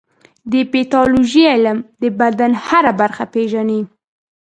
د پیتالوژي علم د بدن هره برخه پېژني.